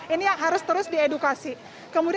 ini harus terus diedukasi